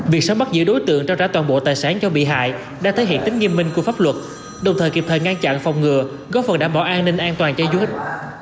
việc sớm bắt giữ đối tượng trao trả toàn bộ tài sản cho bị hại đã thể hiện tính nghiêm minh của pháp luật đồng thời kịp thời ngăn chặn phòng ngừa góp phần đảm bảo an ninh an toàn cho du lịch